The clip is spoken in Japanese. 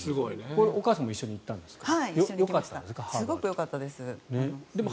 これ、お母さんも一緒に行ったんですか？